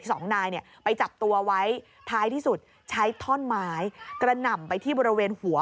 สองนายเนี่ยไปจับตัวไว้ท้ายที่สุดใช้ท่อนไม้กระหน่ำไปที่บริเวณหัว